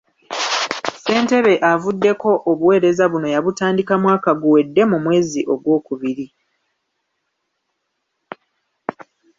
Ssentebe avuddeko obuweereza buno yabutandika mwaka guwedde mu mwezi Ogwokubiri.